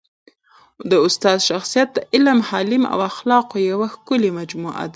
د استاد شخصیت د علم، حلم او اخلاقو یوه ښکلي مجموعه ده.